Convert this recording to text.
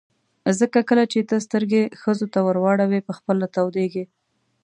ځکه کله چې ته سترګې ښځو ته ور اړوې په خپله تودېږي.